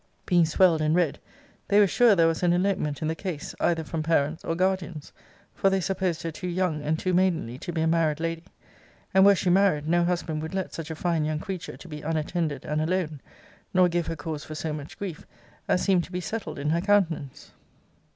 ] being swelled and red, they were sure there was an elopement in the case, either from parents or guardians; for they supposed her too young and too maidenly to be a married lady; and were she married, no husband would let such a fine young creature to be unattended and alone; nor give her cause for so much grief, as seemed to be settled in her countenance.